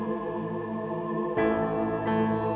baik kita tolak bangan